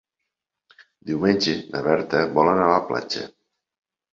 Diumenge na Berta vol anar a la platja.